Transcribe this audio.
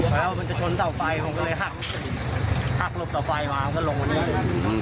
แปลว่ามันจะชนต่อไฟผมก็เลยหักหักลบต่อไฟวางเข้าลงมานี่